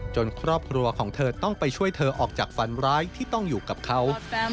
ครอบครัวของเธอต้องไปช่วยเธอออกจากฟันร้ายที่ต้องอยู่กับเขา